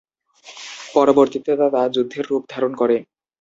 পরবর্তীতে তা যুদ্ধের রূপ ধারণ করে।